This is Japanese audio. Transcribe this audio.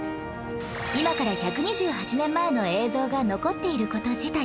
今から１２８年前の映像が残っている事自体